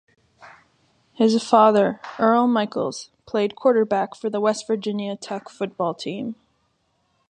His father, Earl Michaels, played quarterback for the West Virginia Tech football team.